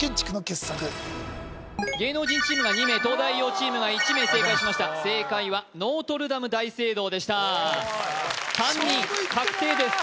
芸能人チームが２名東大王チームが１名正解しました正解はノートルダム大聖堂でした３人確定です